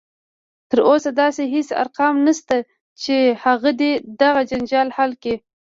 تر اوسه داسې هیڅ ارقام نشته دی چې هغه دې دغه جنجال حل کړي